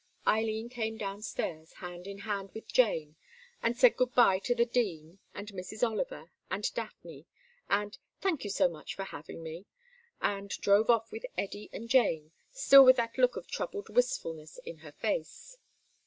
Eileen came downstairs, hand in hand with Jane, and said goodbye to the Dean, and Mrs. Oliver, and Daphne, and "Thank you so much for having me," and drove off with Eddy and Jane, still with that look of troubled wistfulness in her face.